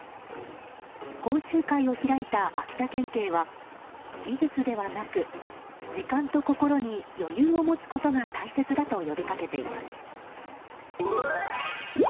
講習会を開いた秋田県警は技術ではなく時間と心に余裕を持つことが大切だと呼びかけています。